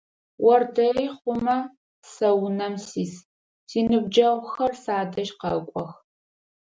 Ор дэи хъумэ сэ унэм сис, синыбджэгъухэр садэжь къэкӏох.